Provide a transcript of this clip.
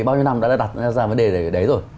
bao nhiêu năm đã đặt ra vấn đề đấy rồi